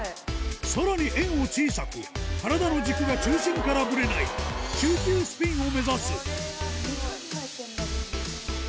さらに円を小さく体の軸が中心からぶれない中級スピンを目指すこれはスゴい。